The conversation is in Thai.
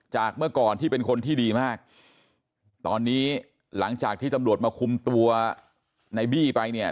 เมื่อก่อนที่เป็นคนที่ดีมากตอนนี้หลังจากที่ตำรวจมาคุมตัวในบี้ไปเนี่ย